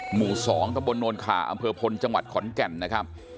หมู่๒ตะบนโนนขาอำเภอพลจังหวัดขอนแก่นนะครับ